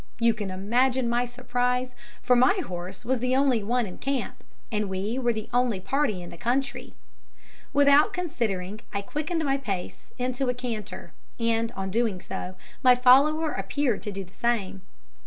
You can imagine my surprise, for my horse was the only one in camp, and we were the only party in the country. Without considering I quickened my pace into a canter, and on doing so my follower appeared to do the same.